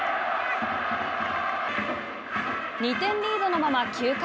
２点リードのまま９回。